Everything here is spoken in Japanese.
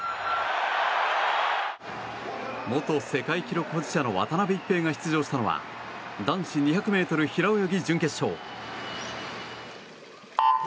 元世界記録保持者の渡辺一平が出場したのは男子２００ｍ平泳ぎ準決勝。